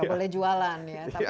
tidak boleh jualan